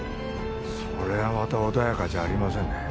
それはまた穏やかじゃありませんね。